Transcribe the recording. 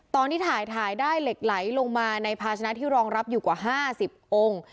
ตอนที่ถ่ายได้เหล็กไหลลงมาในภาชนะที่รองรับอยู่กว่า๕๐องค์